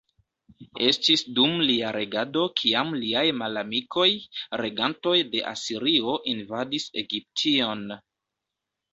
Estis dum lia regado kiam liaj malamikoj, regantoj de Asirio, invadis Egiption.